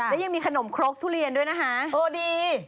และยังมีขนมครกทุเรียนด้วยนะคะโอ้ดี